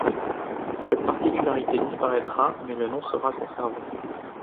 Cette particularité disparaîtra, mais le nom sera conservé.